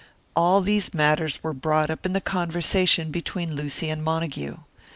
All these matters were brought up in the conversation between Lucy and Montague.